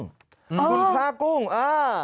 คุณพระกุ้งอ่า